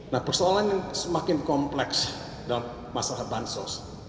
nah persoalan yang semakin kompleks dalam masalah bansos